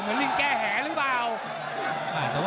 เหมือนลิ่งแก้แหหาหรือบ้าว